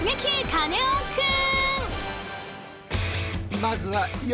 カネオくん！